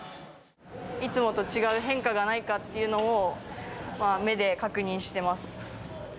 いつもと違う変化がないかっていうのを目で確認してます。